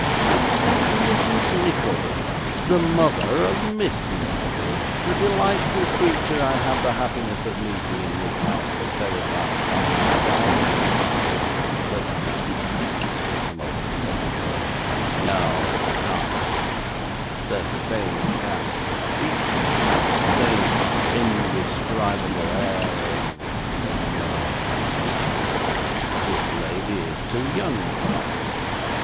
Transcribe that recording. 'Is this Mrs. Nickleby the mother of Miss Nickleby the delightful creature that I had the happiness of meeting in this house the very last time I dined here? But no;' said Sir Mulberry, stopping short. 'No, it can't be. There is the same cast of features, the same indescribable air of But no; no. This lady is too young for that.